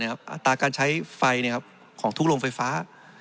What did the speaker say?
อัตราการใช้ไฟของทุกโรงไฟฟ้า